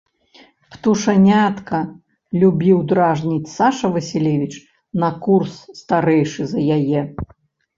«Птушанятка! »- любіў дражніць Саша Васілевіч, на курс старэйшы за яе.